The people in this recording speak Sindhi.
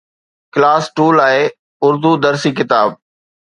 ڪلاس II لاءِ اردو درسي ڪتاب